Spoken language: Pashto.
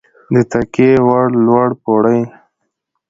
د تکیې وړ لوړ پوړی